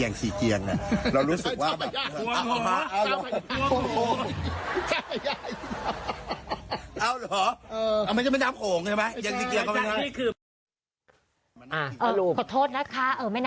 แย่งสี่เกียงเนี่ยเรารู้สึกว่าแบบ